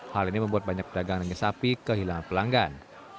hal ini membuat banyak pedagang daging sapi kehilangan pelanggan